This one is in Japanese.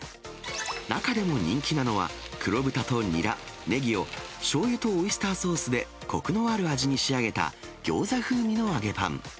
中でも人気なのは、黒豚とニラ、ネギをしょうゆとオイスターソースでこくのある味に仕上げた、ギョーザ風味の揚げパン。